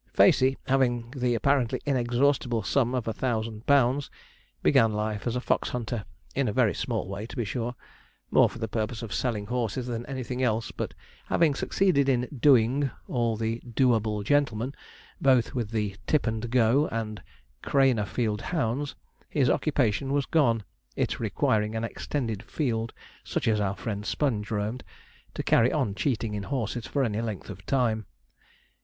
Facey, having the apparently inexhaustible sum of a thousand pounds, began life as a fox hunter in a very small way, to be sure more for the purpose of selling horses than anything else; but, having succeeded in 'doing' all the do able gentlemen, both with the 'Tip and Go' and Cranerfield hounds, his occupation was gone, it requiring an extended field such as our friend Sponge roamed to carry on cheating in horses for any length of time.